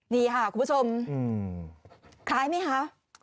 ดีค่ะคุณผู้ชมคล้ายมั้ยคะ